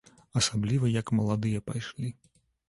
Асабліва як маладыя пайшлі.